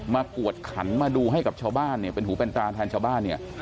มากวดขันมาดูให้กับชาวบ้านเป็นหูแปนตาแทนชาวบ้าน